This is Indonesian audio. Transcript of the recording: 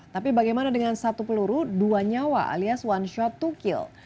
tapi bagaimana dengan satu peluru dua nyawa alias one shot to kill